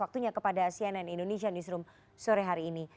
waktunya kepada cnn indonesia newsroom sore hari ini